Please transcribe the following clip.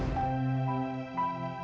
kakang mencintai dia kakang